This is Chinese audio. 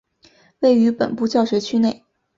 位于本部教学区内。